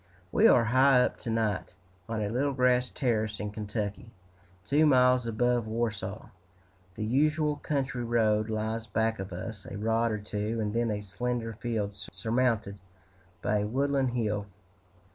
We are high up to night, on a little grass terrace in Kentucky, two miles above Warsaw. The usual country road lies back of us, a rod or two, and then a slender field surmounted by a woodland hill.